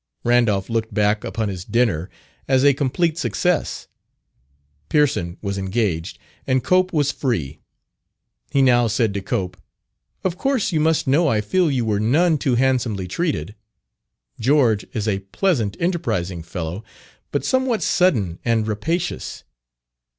Randolph looked back upon his dinner as a complete success: Pearson was engaged, and Cope was free. He now said to Cope: "Of course you must know I feel you were none too handsomely treated. George is a pleasant, enterprising fellow, but somewhat sudden and rapacious.